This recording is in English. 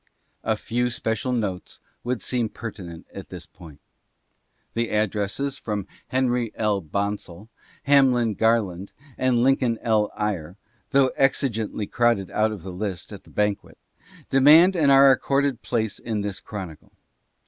A few special notes would seem pertinent at this point. The addresses from Henry L. Bonsall, Hamlin Garland and Lin coln L. Eyre, though exigently crowded out of the list at the banquet, demand and are accorded place in this chronicle.